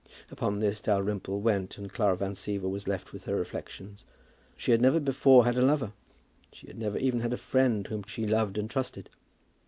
Upon this Dalrymple went, and Clara Van Siever was left to her reflections. She had never before had a lover. She had never had even a friend whom she loved and trusted.